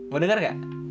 mau dengar nggak